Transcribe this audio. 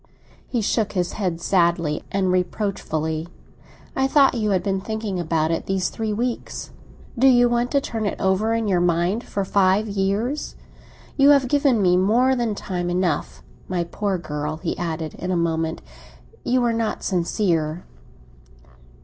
He shook his head, sadly and reproachfully. "I thought you had been thinking about it these three weeks. Do you want to turn it over in your mind for five years? You have given me more than time enough. My poor girl," he added in a moment, "you are not sincere!"